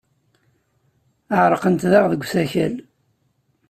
Ɛerqent daɣ deg usakal?